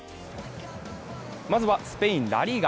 まずは、スペイン・ラ・リーガ。